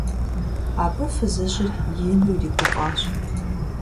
Абы фызыжьыр ину иригуфӀащ.